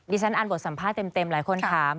ฉันอ่านบทสัมภาษณ์เต็มหลายคนถาม